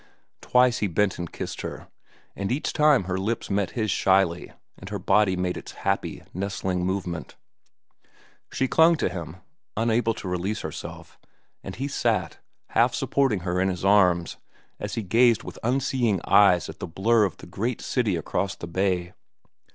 Twice he bent and kissed her, and each time her lips met his shyly and her body made its happy, nestling movement. She clung to him, unable to release herself, and he sat, half supporting her in his arms, as he gazed with unseeing eyes at the blur of the great city across the bay.